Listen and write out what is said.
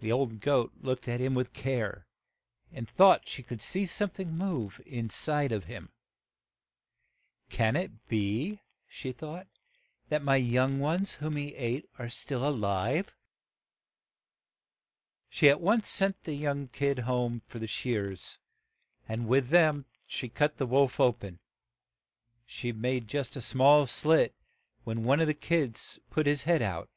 The old goat looked at him with care, and thought she could see some thing move in side of him. '' Can it be, '' she thought, j young ones whom he ill a live?' She at once sent the young kid home for the shears, and with them she cut the wolf o pen. She had just made a small slit, when |^ one of the kids put his head out.